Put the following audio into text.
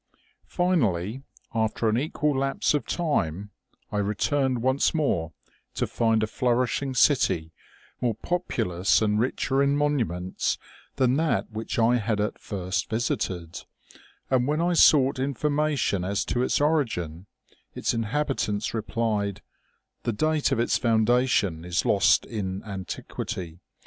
" Finally, after an equal lapse of time, I returned once more, to find a flourishing city, more populous and richer in monuments than that which I had at first visited ; and when I sought information as to its origin, its inhabitants replied :' The date of its foundation is lost in antiquity.